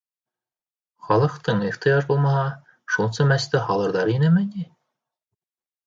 Халыҡта ихтыяж булмаһа, шунса мәсетте һалырҙар инеме ни?